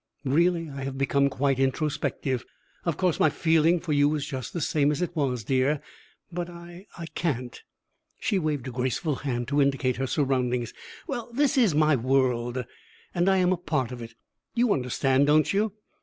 Really I have become quite introspective. Of course, my feeling for you is just the same as it was, dear, but I I can't " She waved a graceful hand to indicate her surroundings. "Well, this is my world, and I am a part of it. You understand, don't you?